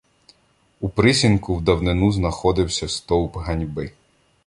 У присінку в давнину знаходився стовп ганьби.